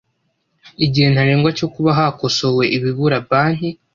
Igihe ntarengwa cyo kuba hakosowe ibibura banki